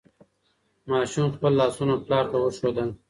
ماشوم خپل لاسونه پلار ته وښودل.